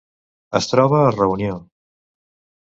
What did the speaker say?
Es troba a Reunió.